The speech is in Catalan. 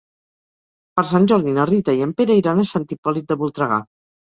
Per Sant Jordi na Rita i en Pere iran a Sant Hipòlit de Voltregà.